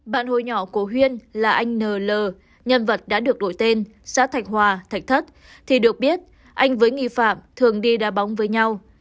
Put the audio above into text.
bạn hồi nhỏ của huyên là anh nl nhân vật đã được đổi tên xã thạch hòa thạch thất thì được biết anh với nghi phạm thường đi đa bóng với nhau